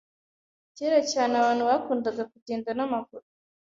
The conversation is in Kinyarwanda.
Kera cyane., abantu bakundaga kugenda n'amaguru .